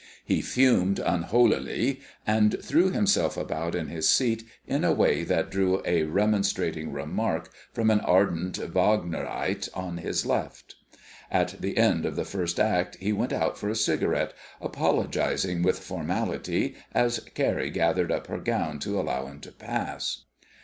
He fumed unholily, and threw himself about in his seat in a way that drew a remonstrating remark from an ardent Vaaagnerite on his left. At the end of the first act he went out for a cigarette, apologising with formality as Carrie gathered up her gown to allow him to pass.